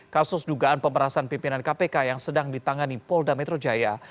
kasus dugaan pemerasan pimpinan kpk yang sedang ditangani polda metro jaya